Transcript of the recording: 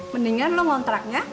mendingan lu ngontraknya